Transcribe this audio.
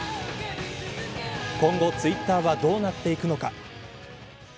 今後ツイッターはどうなっていくのか。